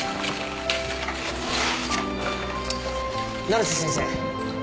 成瀬先生。